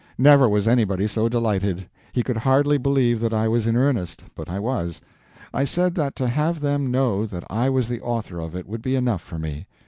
Never was anybody so delighted. He could hardly believe that I was in earnest, but I was. I said that to have them know that I was the author of it would be enough for me.